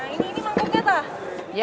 ini yang kosongan ya